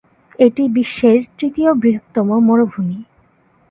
এটি বিশ্বের তৃতীয় বৃহত্তম মরুভূমি।